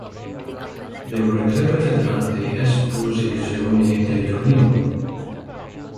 They were exhibited at the "Esposizione di Torino".